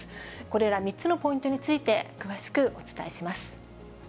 これら３つのポイントについて、詳しくお伝えします。